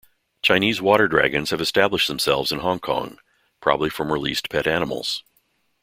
Chinese water dragons have established themselves in Hong Kong, probably from released pet animals.